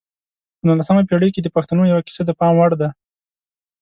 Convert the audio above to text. په نولسمه پېړۍ کې د پښتنو یوه کیسه د پام وړ ده.